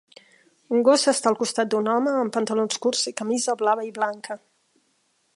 Un gos s'està al costat d'un home amb pantalons curts i camisa blava i blanca.